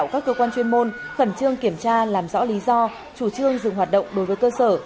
các cơ quan chuyên môn khẩn trương kiểm tra làm rõ lý do chủ trương dừng hoạt động đối với cơ sở